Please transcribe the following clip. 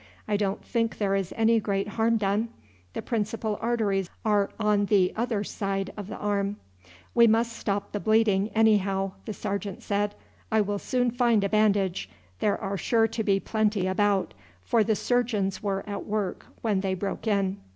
"I don't think there is any great harm done; the principal arteries are on the other side of the arm." "We must stop the bleeding, anyhow," the sergeant said. "I will soon find a bandage. There are sure to be plenty about, for the surgeons were at work when they broke in."